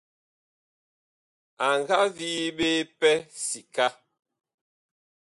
A nga vii ɓe pɛ sika.